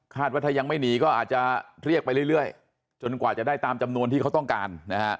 ว่าถ้ายังไม่หนีก็อาจจะเรียกไปเรื่อยจนกว่าจะได้ตามจำนวนที่เขาต้องการนะฮะ